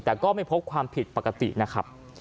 แต่ก็ไม่พบความผิดปกตินะครับ